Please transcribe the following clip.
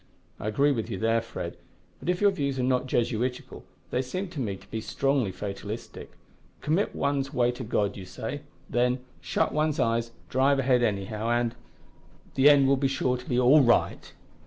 "I agree with you there, Fred; but if your views are not Jesuitical, they seem to me to be strongly fatalistic. Commit one's way to God, you say; then, shut one's eyes, drive ahead anyhow, and the end will be sure to be all right!"